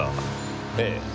ええ。